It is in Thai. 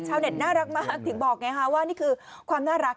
เต็ดน่ารักมากถึงบอกไงฮะว่านี่คือความน่ารัก